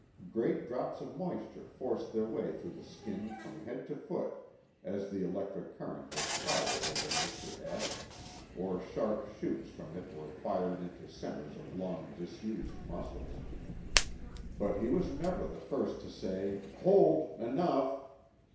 Great drops of moisture forced their way through the skin from head to foot as the electric current was poured over Mr. S or sharp shots from it were fired into centers of long disused muscles. But he was never the first to say, " Hold enough